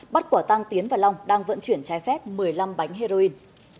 bắt quả tăng tiến và long đang vận chuyển trái phép một mươi năm bánh heroin